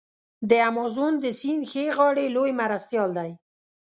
د امازون د سیند ښي غاړی لوی مرستیال دی.